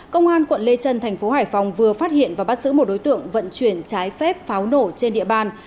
công an quận lê trân thành phố hải phòng vừa phát hiện và bắt giữ một đối tượng vận chuyển trái phép pháo nổ trên địa bàn